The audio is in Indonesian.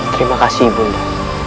terima kasih ibu nda